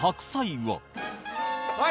はい。